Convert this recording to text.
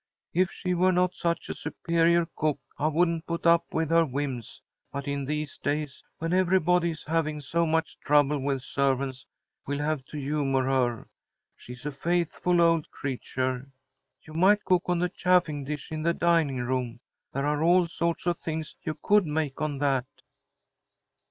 If she were not such a superior cook, I wouldn't put up with her whims, but in these days, when everybody is having so much trouble with servants, we'll have to humour her. She's a faithful old creature. You might cook on the chafing dish in the dining room. There are all sorts of things you could make on that."